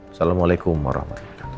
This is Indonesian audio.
assalamualaikum warahmatullahi wabarakatuh